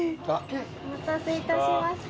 お待たせいたしました。